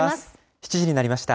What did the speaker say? ７時になりました。